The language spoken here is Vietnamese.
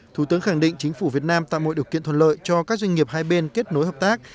thủ tướng khẳng định chính phủ việt nam tạo mọi điều kiện thuận lợi cho các doanh nghiệp hai bên kết nối hợp tác